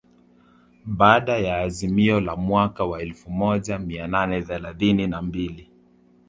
Baada ya azimio la mwaka wa elfu moja mia nane thelathini na mbili